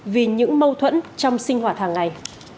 vì những mâu thuẫn trong sinh hoạt hàng ngày